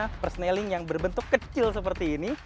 adanya perseneling yang berbentuk kecil seperti ini